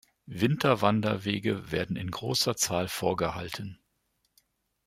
Winterwanderwege werden in großer Zahl vorgehalten.